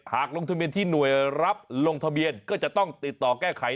ลงทะเบียนที่หน่วยรับลงทะเบียนก็จะต้องติดต่อแก้ไข